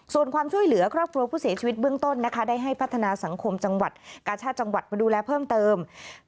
ส่วนความช่วยเหลือครอบครัวผู้เสียชีวิตเบื้องต้นนะคะได้ให้พัฒนาสังคมจังหวัดกาชาติจังหวัดมาดูแลเพิ่มเติม